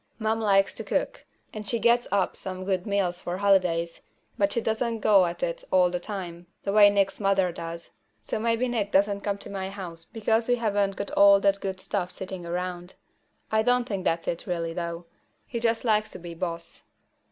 Mom likes to cook, and she gets up some good meals for holidays, but she doesn't go at it all the time, the way Nick's mother does. So maybe Nick doesn't come to my house because we haven't got all that good stuff sitting around. I don't think that's it, really, though. He just likes to be boss.